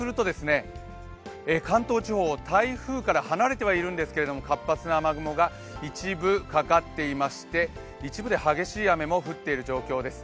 関東地方、台風から離れてはいるんですが、活発な雨雲が一部かかっていまして、一部で激しい雨が降っている状況です。